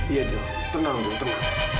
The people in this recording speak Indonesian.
iya taufan tenang taufan